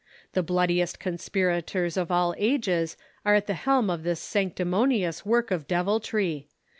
The bloodiest conspirators of all ages are at the helm of this sanctimonious work of deviltry.